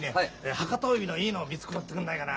博多帯のいいのを見繕ってくんないかな。